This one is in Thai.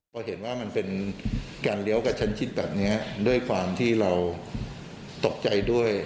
พอเห็นว่ามันเป็นการเลี้ยวกับชั้นชิดแบบนี้ด้วยความที่เราตกใจด้วย